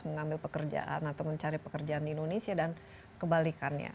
mengambil pekerjaan atau mencari pekerjaan di indonesia dan kebalikannya